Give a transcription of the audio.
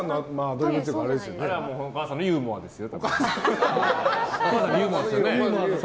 お母さんのユーモアですよ。